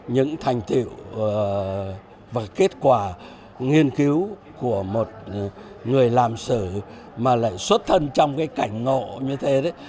những thành tiệu và kết quả nghiên cứu của một người làm sử mà lại xuất thân trong cái cảnh ngộ như thế đấy